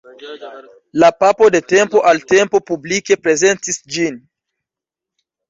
La papo de tempo al tempo publike prezentis ĝin.